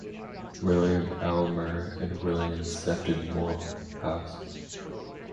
William Aylmer and William Sefton Moorhouse.